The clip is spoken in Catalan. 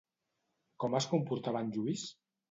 Com es comportava en Lluís?